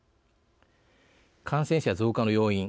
感染者増加の要因。